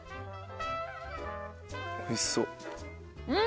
おいしそう。